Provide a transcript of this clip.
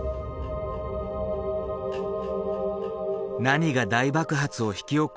何が大爆発を引き起こしたのか？